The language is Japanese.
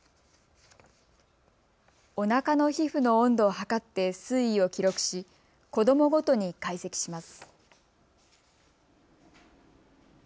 おなかの皮膚の温度を測って推移を記録し、子どもごとに解析します。